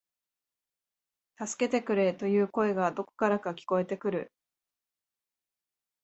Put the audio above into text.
助けてくれ、という声がどこからか聞こえてくる